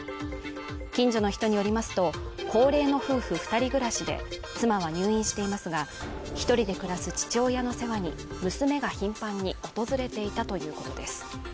近所の人によりますと高齢の夫婦二人暮らしで妻は入院していますが一人で暮らす父親の世話に娘が頻繁に訪れていたということです